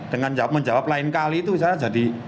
dengan menjawab lain kali itu saya jadi